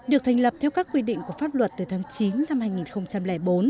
được thành lập theo các quy định của pháp luật từ tháng chín năm hai nghìn bốn